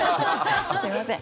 すみません。